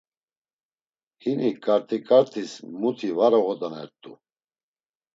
Hini ǩartiǩartis muti var oğodanert̆u.